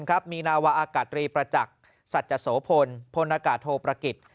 มีรายชื่อของพลนาววาอากัตรรีประจักรสัจศโศพลพลตำรวจโทรประกิต